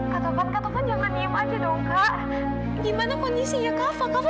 kak tufan kak tufan jangan diem aja dong kak